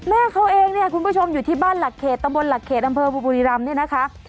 แม่เขาเองคุณผู้ชมอยู่ที่บ้านหลักเขตตำรวจหลักเขตอำเภอบุรีดำ